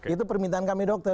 itu permintaan kami dokter